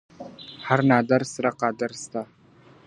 هر نادر سره قادر سته .